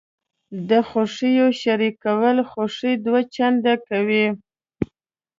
د خوښیو شریکول خوښي دوه چنده کوي.